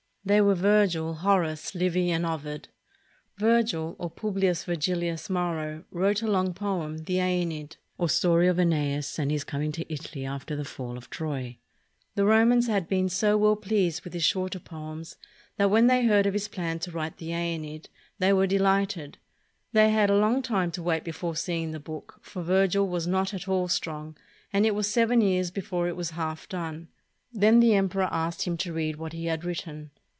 They were Virgil, Horace, Livy, and Ovid. Virgil, or Publius Virgilius Maro, wrote a long poem, the "^Eneid," or story of ^neas and his coming to Italy after the fall of Troy. The Romans had been so well pleased with his shorter poems that when they heard of his plan to write the "^neid," they were delighted. They had a long time to wait before seeing the book, for Virgil was not at all strong, and it was seven years before it was half done. Then the emperor asked him to read what he had writ ten.